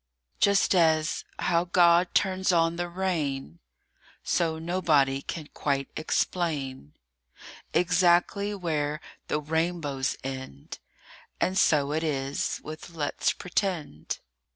JUST as: how God turns on the rain, So nobody can quite explain Exactly where the rainbows end. And so it is with Let'spretend.